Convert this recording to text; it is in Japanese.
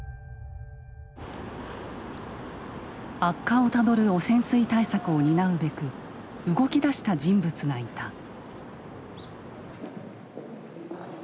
悪化をたどる汚染水対策を担うべく動きだした人物がいた。